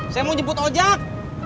saya mau jemput ojak